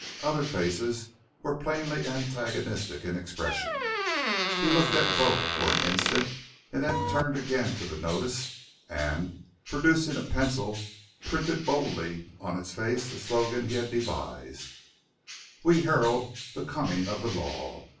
Other faces were plainly antagonistic in expression. He looked at both for an instant and then turned again to the notice and producing a pencil printed boldly on its face the slogan he had devised: _"We Herald the Coming of the Law!